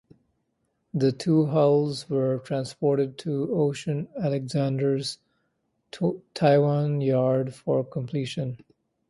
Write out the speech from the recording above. The two hulls were transported to Ocean Alexander’s Taiwan yard for completion.